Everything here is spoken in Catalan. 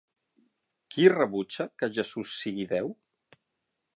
Qui rebutja que Jesús sigui Déu?